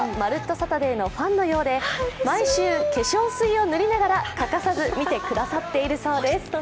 サタデー」のファンのようで毎週化粧水を塗りながら欠かさず見てくださっているそうです。